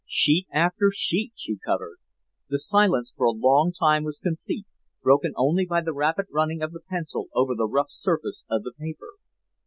Sheet after sheet she covered. The silence for a long time was complete, broken only by the rapid running of the pencil over the rough surface of the paper.